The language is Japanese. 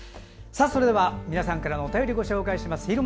では、皆さんからのお便りご紹介します。